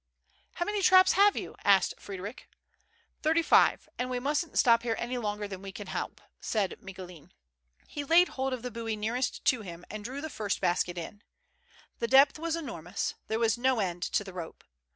" How many traps have you ?" asked Frederic. 138 MURDEROUS ATTEMPTS. "Thirty five; and we musn't stop here any longer than we can help," said Micoulin. He laid hold of the buoy nearest to him, and drew the first basket in. The depth was enormous, there was no end to the rope.